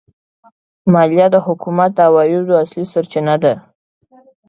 مالیه د حکومت د عوایدو اصلي سرچینه ده.